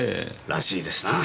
らしいですな。